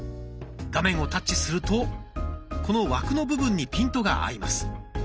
画面をタッチするとこの枠の部分にピントが合います。